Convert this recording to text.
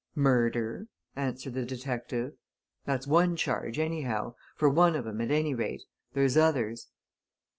"Murder!" answered the detective. "That's one charge, anyhow for one of 'em, at any rate. There's others."